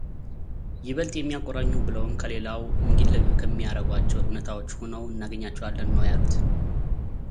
ይበልጥ የሚያቆራኙ ብለውም ከሌላው እንዲለዩ ከሚያረጓቸው እውነታዎች ሁነው እናገኛቸዋለን ነው ያሉት።